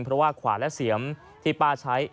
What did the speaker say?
เพราะว่าขวานและเสียมที่ป้าใช้